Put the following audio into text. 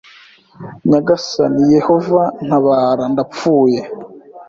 Nyagasani Yehova ntabara ndapfuye